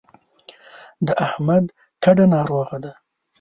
د احمد کډه ناروغه ده.